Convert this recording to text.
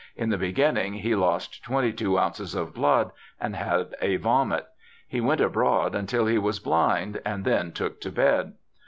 In the beginning he lost twenty two ounces of blood and had a vomit. He went abroad until he was blind, and then took to bed.